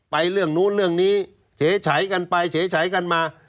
เรื่องนู้นเรื่องนี้เฉฉัยกันไปเฉฉัยกันมา